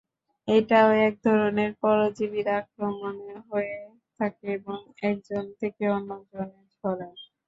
এটাও একধরনের পরজীবীর আক্রমণে হয়ে থাকে এবং একজন থেকে অন্যজনে ছড়ায়।